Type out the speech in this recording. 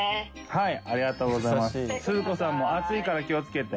はい。